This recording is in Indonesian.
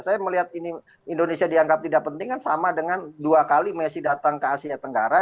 saya melihat ini indonesia dianggap tidak penting kan sama dengan dua kali messi datang ke asia tenggara